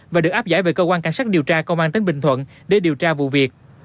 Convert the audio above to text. và được áp giải về cơ quan cảnh sát điều tra công an tỉnh bình thuận để điều tra vụ việc